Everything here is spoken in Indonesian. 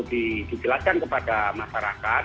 dijelaskan kepada masyarakat